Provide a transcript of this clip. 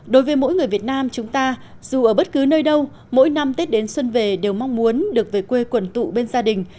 đối với mỗi người việt nam chúng ta dù ở bất cứ nơi đâu mỗi năm tết đến xuân về đều mong muốn được về quê quần tụ bên gia đình